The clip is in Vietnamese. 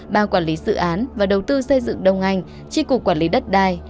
ba quản lý dự án và đầu tư xây dựng đồng ngành chi cục quản lý đất đai